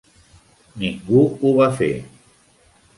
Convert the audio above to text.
Ningú ho va fer.